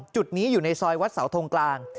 จุดนี้อยู่ในซอยวัดเสาทงกลาง